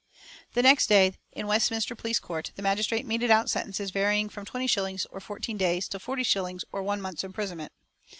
The next day, in Westminster police court, the magistrate meted out sentences varying from twenty shillings or fourteen days to forty shillings or one month's imprisonment.